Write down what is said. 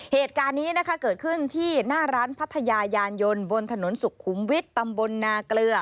เหตุการณ์นี้นะคะเกิดขึ้นที่หน้าร้านพัทยายานยนต์บนถนนสุขุมวิทย์ตำบลนาเกลือ